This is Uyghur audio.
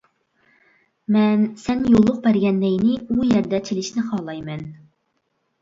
مەن سەن يوللۇق بەرگەن نەينى ئۇ يەردە چېلىشنى خالايمەن.